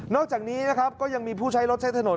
นอกจากนี้ก็ังมีผู้ใช้รถใช้ถ้นน